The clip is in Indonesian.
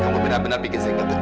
kamu benar benar bikin saya